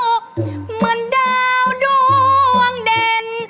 เหมือนดาวดวงเด่น